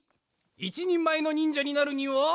いちにんまえのにんじゃになるには。